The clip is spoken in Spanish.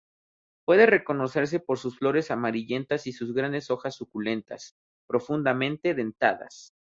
Puede reconocerse por sus flores amarillentas y sus grandes hojas suculentas, profundamente dentadas.